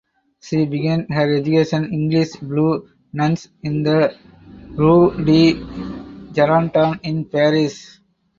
She began her education English Blue Nuns in the rue de Charenton in Paris.